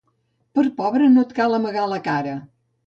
Per pobre no et cal amagar la cara.